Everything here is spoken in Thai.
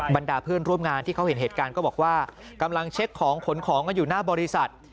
บรรดาเพื่อนร่วมงานที่เขาเห็นเหตุการณ์ก็บอกว่ากำลังเช็คของขนของกันอยู่หน้าบริษัท